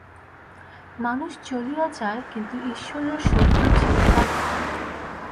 মানুষ চলিয়া যায়, কিন্তু ঈশ্বরের সত্য চিরকাল থাকে।